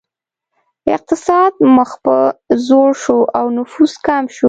اقتصاد مخ په ځوړ شو او نفوس کم شو.